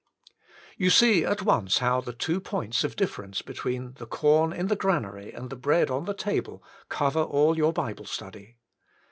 You see at once how the two points of difference between the corn in the granary and the bread on the table, cover all your Bible study.